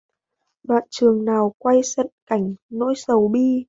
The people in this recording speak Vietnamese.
Đoạn trường nào quay cận cảnh nỗi sầu bi